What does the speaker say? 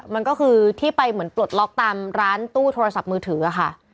มันก็คือที่ไปเหมือนปลดล็อกตามร้านตู้โทรศัพท์มือถือค่ะ